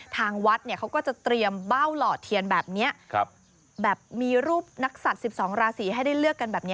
ทางวัดเขาก็จะเตรียมเบ้าหล่อเทียนแบบนี้แบบมีรูปนักศัตริย์๑๒ราศีให้ได้เลือกกันแบบนี้